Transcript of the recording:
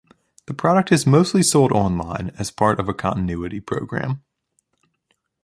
The product is mostly sold online as part of a continuity program.